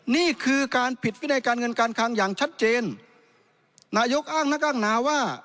นี่คือการผิดวินัยการเงินการคังอย่างชัดเจนนายกอ้างนักอ้างหนาว่า